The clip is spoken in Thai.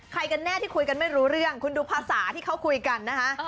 กันแน่ที่คุยกันไม่รู้เรื่องคุณดูภาษาที่เขาคุยกันนะคะ